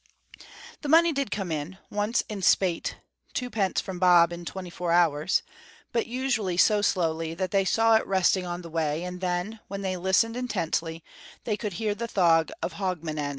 The money did come in, once in spate (twopence from Bob in twenty four hours), but usually so slowly that they saw it resting on the way, and then, when they listened intently, they could hear the thud of Hogmanay.